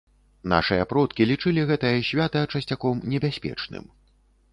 Нашыя продкі лічылі гэтае свята часцяком небяспечным.